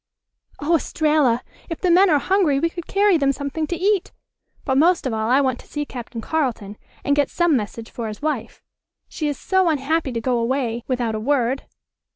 "Oh, Estralla! If the men are hungry we could carry them something to eat. But most of all I want to see Captain Carleton, and get some message for his wife. She is so unhappy to go away without a word."